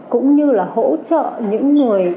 cũng như là hỗ trợ những người